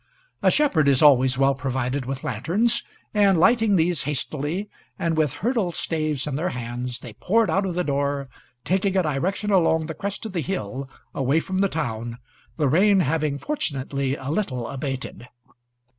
A shepherd is always well provided with lanterns; and, lighting these hastily, and with hurdle staves in their hands, they poured out of the door, taking a direction along the crest of the hill, away from the town, the rain having fortunately a little abated.